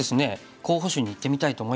候補手にいってみたいと思います。